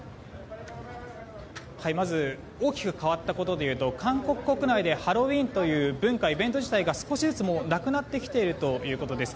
まず大きく変わったことでいうと韓国国内でハロウィーンという文化、イベント自体が少しずつなくなってきているということです。